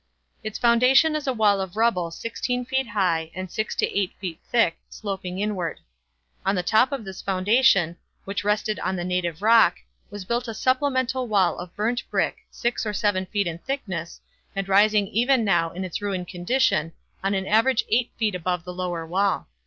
Its foundation is a wall of rubble sixteen feet high and six to eight feet thick, sloping inward. On the top of this foundation, which rested on the native rock, was built a supplemental wall of burnt brick six or seven feet in thickness and rising even now in its ruined condition on an average eight feet above the lower wall.